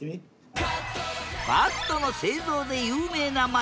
バットの製造で有名な街